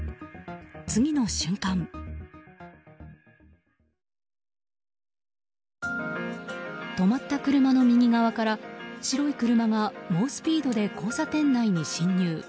次の瞬間、止まった車の右側から白い車が猛スピードで交差点内に進入。